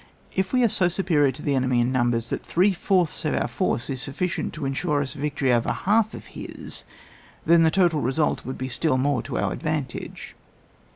If we are so iupertar to the enemy in numbers, that three fourths of our force is sufficient to ensure us a victory over half of his, then the total result would be still more to our advantage.